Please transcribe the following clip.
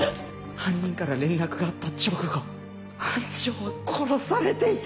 犯人から連絡があった直後班長は殺されていた！